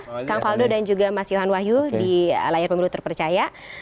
terima kasih juga pak garuda dan juga mas yohan wahyu di layar pemilu terpercaya